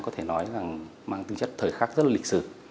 có thể nói rằng mang tính chất thời khắc rất là lịch sử